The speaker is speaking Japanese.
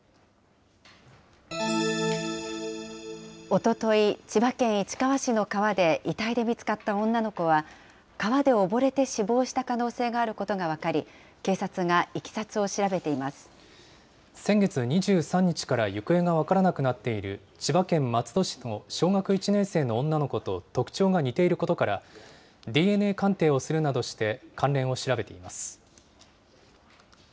おととい、千葉県市川市の川で遺体で見つかった女の子は、川で溺れて死亡した可能性があることが分かり、警察がいきさつを先月２３日から行方が分からなくなっている、千葉県松戸市の小学１年生の女の子と特徴が似ていることから、ＤＮＡ鑑定をするなどして関連を調べています。